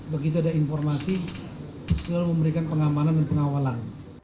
begitu ada informasi selalu memberikan pengamanan dan pengawalan